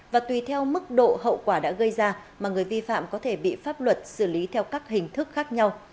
và tùy theo mức độ hậu quả đã gây ra mà người vi phạm có thể bị pháp luật xử lý theo các hình thức khác nhau